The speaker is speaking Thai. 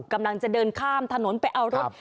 กำลังจะเดินข้ามถนนไปเอารถ